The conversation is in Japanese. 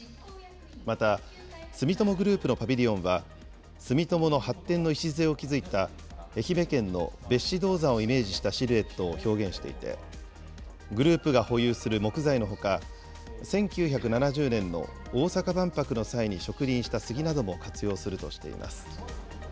また住友グループのパビリオンは、住友の発展の礎を築いた愛媛県の別子銅山をイメージしたシルエットを表現していて、グループが保有する木材のほか、１９７０年の大阪万博の際に植林した杉なども活用するとしています。